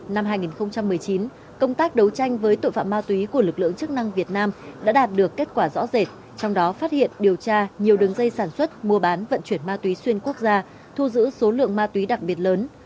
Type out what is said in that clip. năm hai nghìn một mươi chín công tác đấu tranh với tội phạm ma túy của lực lượng chức năng việt nam đã đạt được kết quả rõ rệt trong đó phát hiện điều tra nhiều đường dây sản xuất mua bán vận chuyển ma túy xuyên quốc gia thu giữ số lượng ma túy đặc biệt lớn